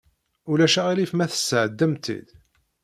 Ulac aɣilif ma tesɛeddam-tt-id?